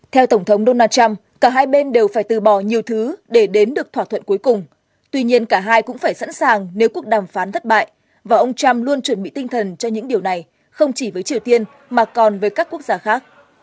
theo tổng thống donald trump cả hai bên đều phải từ bỏ nhiều thứ để đến được thỏa thuận cuối cùng tuy nhiên cả hai cũng phải sẵn sàng nếu cuộc đàm phán thất bại và ông trump luôn chuẩn bị tinh thần cho những điều này không chỉ với triều tiên mà còn với các quốc gia khác